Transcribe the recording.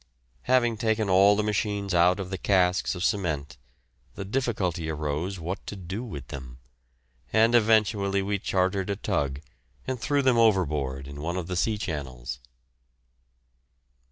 Having taken all the machines out of the casks of cement, the difficulty arose what to do with them, and eventually we chartered a tug and threw them overboard in one of the sea channels.